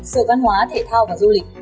sự văn hóa thể thao và du lịch